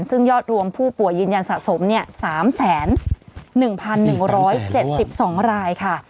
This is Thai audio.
ซึ่งยอดรวมผู้ป่วยยืนยันสะสม๓๑๑๗๒รายค่ะ